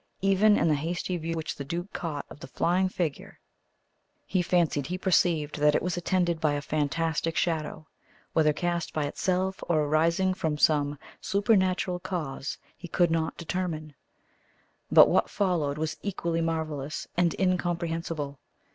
Even in the hasty view which the duke caught of the flying figure, he fancied he perceived that it was attended by a fantastic shadow, whether cast by itself or arising from some supernatural cause he could not determine. But what followed was equally marvellous and incomprehensible.